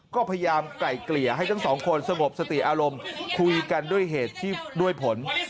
ก็พยายามไกล่เกลี่ยให้ทั้งสองคนสงบสติอารมณ์คุยกันด้วยเหตุที่ด้วยผล